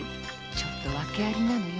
ちょっと訳ありなのよ。